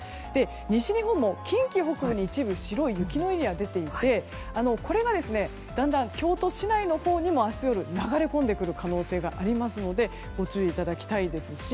西日本も近畿北部に一部、雪のエリアが出ていて、これがだんだん京都市内のほうにも明日、流れ込んでくる可能性がありますのでご注意いただきたいですし